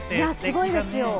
すごいですよ。